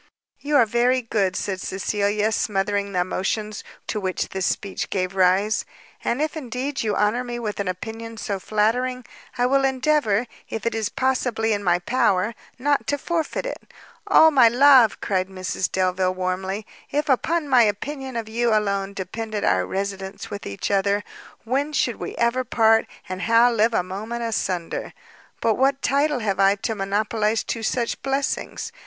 "You are very good," said Cecilia, smothering the emotions to which this speech gave rise, "and if indeed you honour me with an opinion so flattering, I will endeavour, if it is possibly in my power, not to forfeit it." "Ah, my love!" cried Mrs Delvile warmly, "if upon my opinion of you alone depended our residence with each other, when should we ever part, and how live a moment asunder? But what title have I to monopolize two such blessings?